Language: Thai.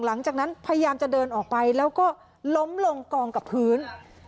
หลังจากนั้นพยายามจะเดินออกไปแล้วก็ล้มลงกองกับพื้น